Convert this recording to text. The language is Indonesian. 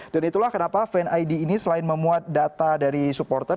dan itulah kenapa fan id ini selain memuat data dari supporter